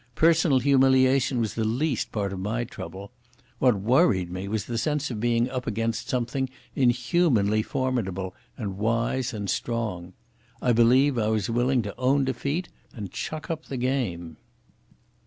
Personal humiliation was the least part of my trouble. What worried me was the sense of being up against something inhumanly formidable and wise and strong. I believed I was willing to own defeat and chuck up the game.